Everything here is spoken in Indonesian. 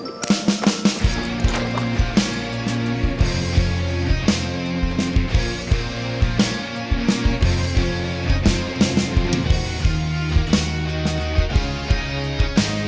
gue ada ini